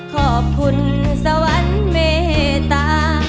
ขอบคุณสวรรค์เมตตา